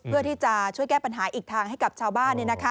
เพื่อที่จะช่วยแก้ปัญหาอีกทางให้กับชาวบ้าน